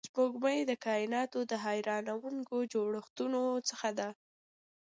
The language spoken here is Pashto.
سپوږمۍ د کایناتو د حیرانونکو جوړښتونو څخه ده